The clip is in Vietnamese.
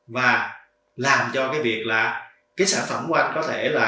và làm cho cái việc là cái sản phẩm của anh có thể là